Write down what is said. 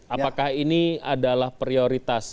apakah ini adalah prioritas